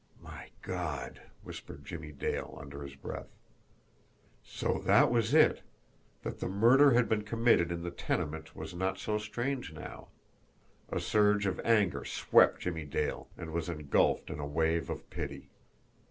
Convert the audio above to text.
"My God!" whispered Jimmie Dale, under his breath. So that was it! That the murder had been committed in the tenement was not so strange now! A surge of anger swept Jimmie Dale and was engulfed in a wave of pity.